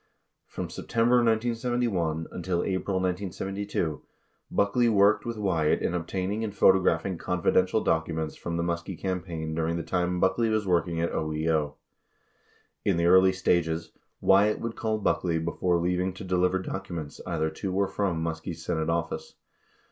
From September 1971 until April 1972, Buckley worked with Wyatt in obtaining and photographing confidential documents from the Muskie campaign during the time Buckley was working at OEO. In the early stages, Wyatt would call Buckley before leaving to deliver documents either to or from Muskie's Senate office.